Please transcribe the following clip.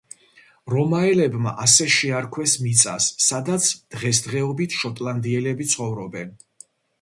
რომაელებმა ასე შეარქვეს მიწას, სადაც დღესდღეობით შოტლანდიელები ცხოვრობენ.